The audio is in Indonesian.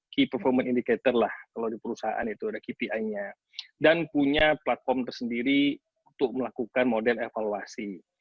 key performance indicator lah kalau di perusahaan itu ada kpi nya dan punya platform tersendiri untuk melakukan model evaluasi